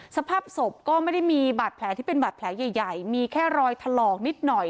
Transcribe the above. สภาพศพก็ไม่ได้มีบาดแผลที่เป็นบาดแผลใหญ่มีแค่รอยถลอกนิดหน่อย